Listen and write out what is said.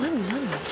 何？